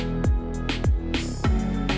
pembangunan yang terakhir di jakarta